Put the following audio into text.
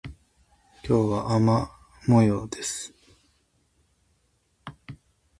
今日は雨模様です。